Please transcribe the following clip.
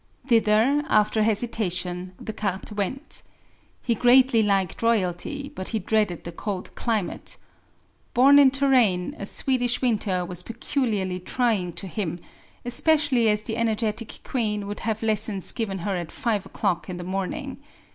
Thither, after hesitation, Descartes went. He greatly liked royalty, but he dreaded the cold climate. Born in Touraine, a Swedish winter was peculiarly trying to him, especially as the energetic Queen would have lessons given her at five o'clock in the morning.